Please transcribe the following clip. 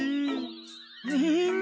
みんなに。